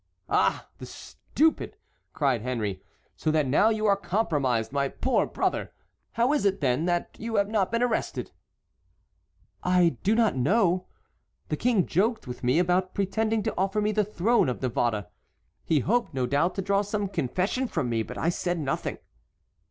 "Ah, the stupid!" cried Henry, "so that now you are compromised, my poor brother! How is it, then, that you have not been arrested?" "I do not know. The King joked with me by pretending to offer me the throne of Navarre. He hoped, no doubt, to draw some confession from me, but I said nothing."